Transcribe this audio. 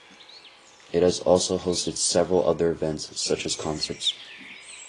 It has also hosted several other events such as concerts.